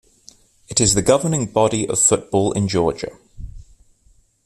It is the governing body of football in Georgia.